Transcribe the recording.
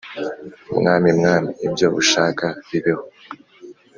'mwami mwami, ibyo ushaka bibeho!'